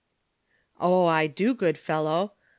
'■'■ O, I do, good fellow.